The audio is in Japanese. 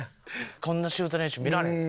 こんなシュート練習見られへん。